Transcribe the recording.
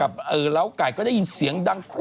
เล้าไก่ก็ได้ยินเสียงดังคั่